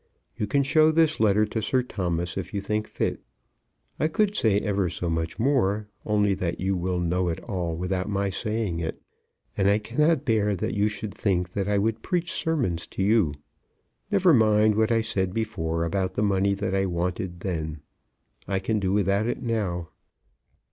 You can show this letter to Sir Thomas if you think fit. I could say ever so much more, only that you will know it all without my saying it. And I cannot bear that you should think that I would preach sermons to you. Never mind what I said before about the money that I wanted then. I can do without it now.